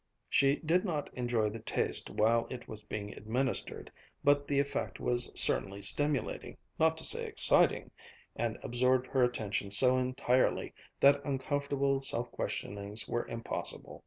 She did not enjoy the taste while it was being administered, but the effect was certainly stimulating, not to say exciting, and absorbed her attention so entirely that uncomfortable self questionings were impossible.